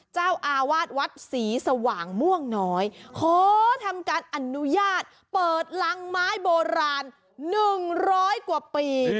เจ้าอาวาสวัดศรีสว่างม่วงน้อยขอทำการอนุญาตเปิดรังไม้โบราณ๑๐๐กว่าปี